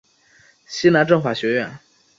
西南政法学院。